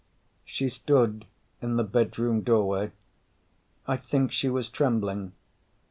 She stood in the bedroom doorway. I think she was trembling.